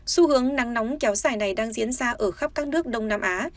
xu hướng nắng nóng kéo dài này đang diễn ra ở khắp các nước đông nam á